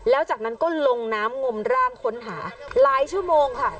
แล้วจากนั้นก็ลงน้ำงมร่างค้นหาหลายชั่วโมงค่ะ